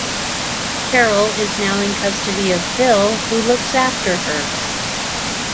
Carol is now in custody of Phil who looks after her.